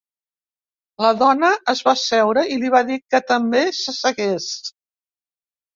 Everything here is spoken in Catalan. La dona es va asseure i li va dir que també s'assegués.